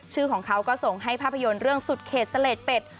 ของเขาก็ส่งให้ภาพยนตร์เรื่องสุดเขตเสลดเป็ด